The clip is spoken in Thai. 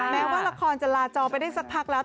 แม้ว่าละครจะลาจอไปได้สักพักแล้ว